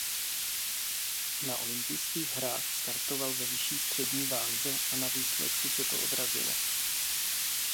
Na olympijských hrách startoval ve vyšší střední váze a na výsledku se to odrazilo.